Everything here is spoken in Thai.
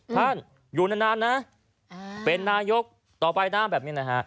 ท่านอยู่นานนะเป็นนายกต่อไปนะแบบนี้นะฮะ